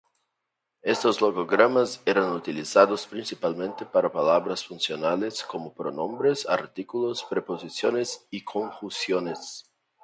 Estos logogramas eran utilizados principalmente para palabras funcionales como pronombres, artículos, preposiciones, y conjunciones.